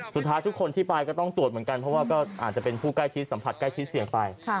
ทุกคนที่ไปก็ต้องตรวจเหมือนกันเพราะว่าก็อาจจะเป็นผู้ใกล้ชิดสัมผัสใกล้ชิดเสี่ยงไป